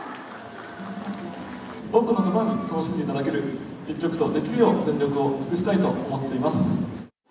多くの方に楽しんでいただける一局とできるよう、全力を尽くしたいと思っています。